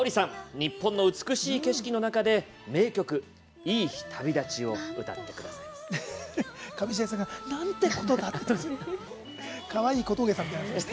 日本の美しい景色の中で名曲「いい日旅立ち」を歌ってくださいます